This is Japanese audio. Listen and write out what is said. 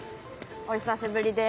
お久しぶりです。